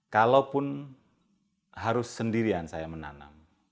kalaupun harus sendirian saya menanam